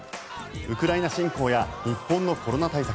ウクライナ侵攻や日本のコロナ対策。